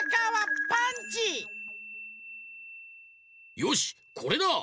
よしこれだ！